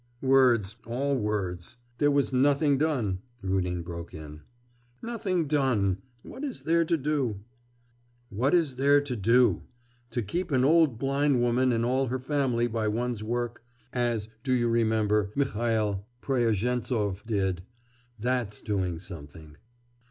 'Words, all words! There was nothing done!' Rudin broke in. 'Nothing done! What is there to do?' 'What is there to do! To keep an old blind woman and all her family by one's work, as, do you remember, Mihail, Pryazhentsov did... That's doing something.